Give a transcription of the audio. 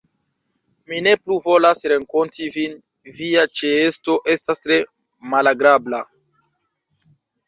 Mi ne plu volas renkonti vin, via ĉeesto estas tre malagrabla.